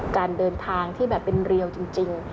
การเดินทางที่แบบเป็นเรียวจริง